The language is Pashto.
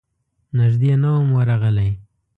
نږدې نه وم ورغلی.